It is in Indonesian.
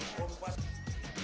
dalam wawancara ini